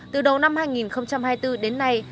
từ đầu năm hai nghìn hai mươi bốn đến nay